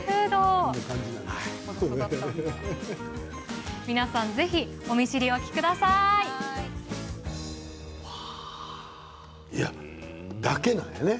ぜひ皆さんお見知りおきください！だけなんやね。